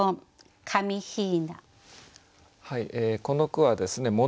この句はですね